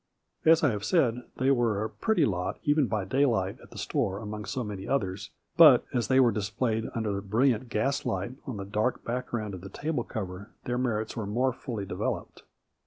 As I have said, they were a pretty lot even by daylight at the store among so many others, but, as they were displayed under the brilliant gaslight, on the dark background of the table cover, their merits were more fully developed.